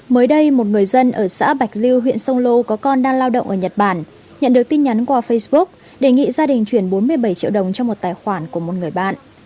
mới đây một người dân ở xã bạch lưu huyện sông lô có con đang lao động ở nhật bản nhận được tin nhắn qua facebook đề nghị gia đình chuyển bốn mươi bảy triệu đồng cho một tài khoản của một người bạn